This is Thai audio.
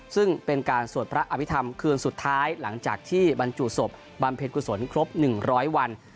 ซึ่งเป็นการสวดพระอภิษฐรรมคืนสุดท้ายหลังจากที่บรรจุศพบำเพ็ญกุศลครบ๑๐๐วัน